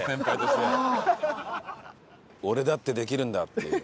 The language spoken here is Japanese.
「俺だってできるんだ」って。